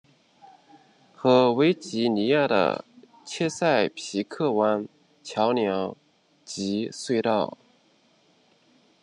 和维吉尼亚的切塞皮克湾桥梁及隧道。